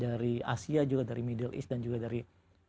dari asia juga dari middle east dan juga dari